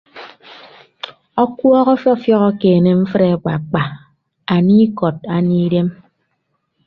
Ọkuọọk ọfiọfiọk ekeene mfịd akpaakpa anie ikọd anie idem.